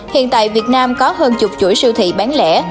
hiện tại việt nam có hơn chục chuỗi siêu thị bán lẻ